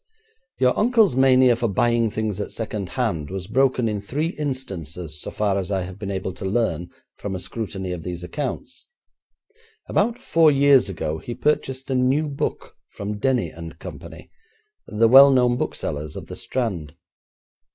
'Your uncle's mania for buying things at second hand was broken in three instances so far as I have been able to learn from a scrutiny of these accounts. About four years ago he purchased a new book from Denny and Co., the well known booksellers of the Strand.